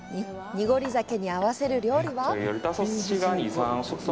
濁り酒にあわせる料理は？